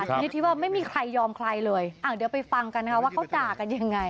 ทีนี้ที่ว่าไม่มีใครยอมใครเลยเดี๋ยวไปฟังกันนะคะว่าเขาด่ากันยังไง